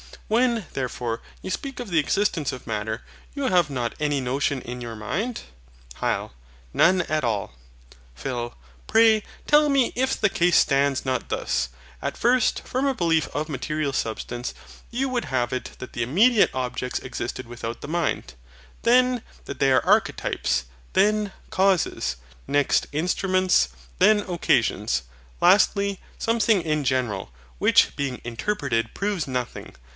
When, therefore, you speak of the existence of Matter, you have not any notion in your mind? HYL. None at all. PHIL. Pray tell me if the case stands not thus At first, from a belief of material substance, you would have it that the immediate objects existed without the mind; then that they are archetypes; then causes; next instruments; then occasions: lastly SOMETHING IN GENERAL, which being interpreted proves NOTHING.